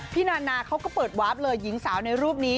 นานาเขาก็เปิดวาร์ฟเลยหญิงสาวในรูปนี้